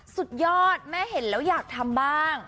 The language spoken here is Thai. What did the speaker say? สุดยอดแม่เห็นแล้วอยากทำบ้าง